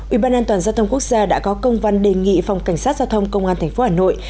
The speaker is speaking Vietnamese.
ủy ban an toàn giao thông quốc gia đã có công văn đề nghị phòng cảnh sát giao thông công an tp hà nội